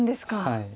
はい。